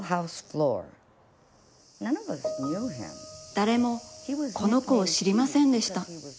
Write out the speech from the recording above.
だれも、この子をしりませんでした。